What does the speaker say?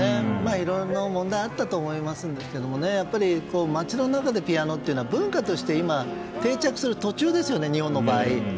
いろいろと問題はあったと思うんですがやっぱり街の中でピアノというのは文化として定着する途中ですよね日本の場合。